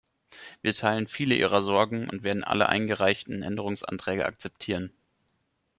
Wir teilen viele Ihrer Sorgen und werden alle eingereichten Änderungsanträge akzeptieren.